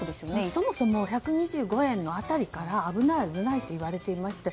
そもそも１２５円の辺りから危ないといわれていまして